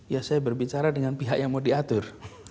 ya saya berbicara dengan pihak yang mau diatur